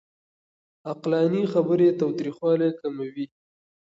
عقلاني خبرې تاوتريخوالی کموي.